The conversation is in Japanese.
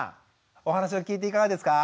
お話を聞いていかがですか？